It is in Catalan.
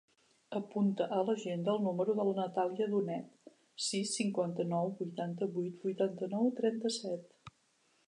Apunta a l'agenda el número de la Natàlia Donet: sis, cinquanta-nou, vuitanta-vuit, vuitanta-nou, trenta-set.